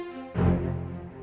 aku sama kamu